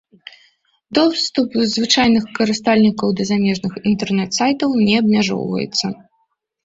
Доступ звычайных карыстальнікаў да замежных інтэрнэт-сайтаў не абмяжоўваецца.